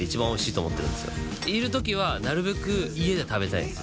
いれるときはなるべく家で食べたいんですよ